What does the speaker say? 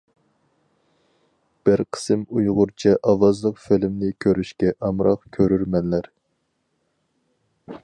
بىر قىسىم ئۇيغۇرچە ئاۋازلىق فىلىمنى كۆرۈشكە ئامراق كۆرۈرمەنلەر.